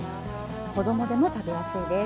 子どもでも食べやすいです。